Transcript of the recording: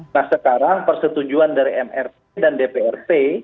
nah sekarang persetujuan dari mrp dan dprp